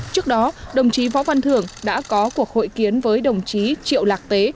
trước đó đồng chí võ văn thưởng đã có cuộc hội kiến với đồng chí triệu lạc tế